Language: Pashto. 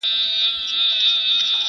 او کيسه نه ختمېده!